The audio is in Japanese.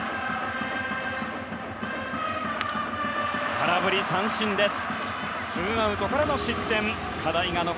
空振り三振です。